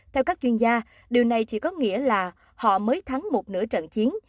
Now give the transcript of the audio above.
theo các chuyên gia điều này chỉ có nghĩa là họ mới thắng một nửa trận chiến